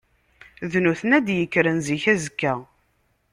D nutni ara d-yekkren zik azekka.